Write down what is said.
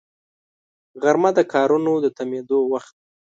غرمه د کارونو د تمېدو وخت وي